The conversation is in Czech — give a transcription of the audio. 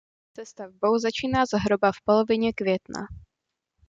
Se stavbou začíná zhruba v polovině května.